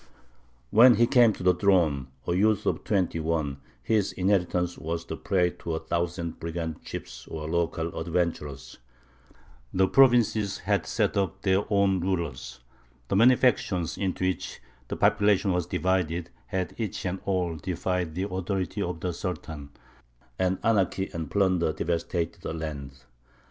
When he came to the throne, a youth of twenty one, his inheritance was the prey to a thousand brigand chiefs or local adventurers; the provinces had set up their own rulers; the many factions into which the population was divided had each and all defied the authority of the Sultan; and anarchy and plunder devastated the land.